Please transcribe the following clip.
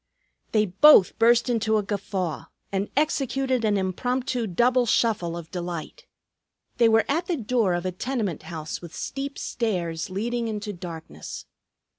They both burst into a guffaw and executed an impromptu double shuffle of delight. They were at the door of a tenement house with steep stairs leading into darkness.